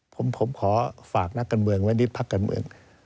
ผมขอฝากนักการเมืองไว้นิดพักการเมือง